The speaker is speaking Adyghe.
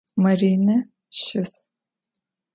Marine şıs.